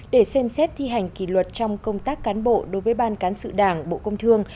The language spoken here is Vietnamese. để xem xét thi hành kỷ luật trong công tác cán bộ đối với ban cán sự đảng bộ công thương